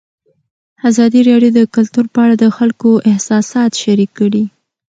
ازادي راډیو د کلتور په اړه د خلکو احساسات شریک کړي.